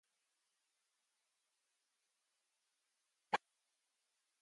This parkway was built instead of a typical six-lane freeway because of local opposition.